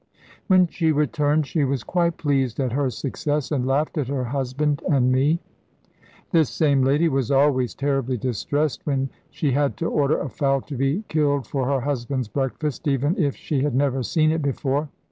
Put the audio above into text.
When she returned she was quite pleased at her success, and laughed at her husband and me. This same lady was always terribly distressed when she had to order a fowl to be killed for her husband's breakfast, even if she had never seen it before.